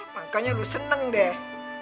makanya lu seneng deh